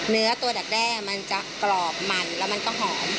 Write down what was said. เนื้อตัวดักแด้มันจะกรอบมันแล้วมันก็หอม